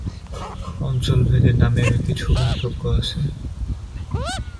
অঞ্চলভেদে নামের কিছু পার্থক্য আছে।